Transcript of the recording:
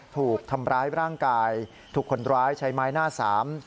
ถูกทำร้ายร่างกายถูกคนร้ายใช้ไม้หน้าสาม